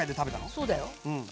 そうだよ。